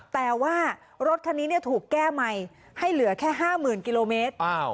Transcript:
แปลว่ารถคันนี้เนี่ยถูกแก้ใหม่ให้เหลือแค่ห้าหมื่นกิโลเมตรอ้าว